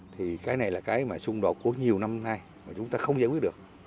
thì cái này là cái mà xung đột của nhiều năm nay mà chúng ta không giải quyết được